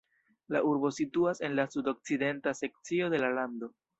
La urbo situas en la sudokcidenta sekcio de la lando.